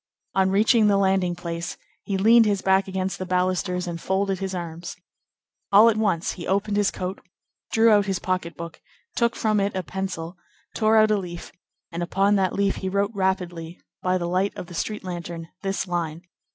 On reaching the landing place, he leaned his back against the balusters and folded his arms. All at once he opened his coat, drew out his pocket book, took from it a pencil, tore out a leaf, and upon that leaf he wrote rapidly, by the light of the street lantern, this line: _M.